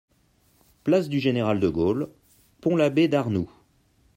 Place du général de Gaulle, Pont-l'Abbé-d'Arnoult